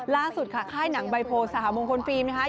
ล่าสุดค่ะค่ายหนังใบโพสหมงคลฟิล์มนะคะ